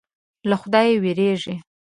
له خدایه وېرېږي.